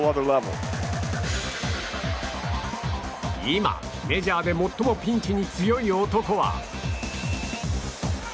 今、メジャーで最もピンチに強い男は。